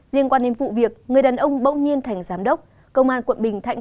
liên quan đến vụ việc người đàn ông bong nhiên thành giám đốc công an quận bình thạnh